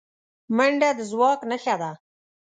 منډه د ځواک نښه ده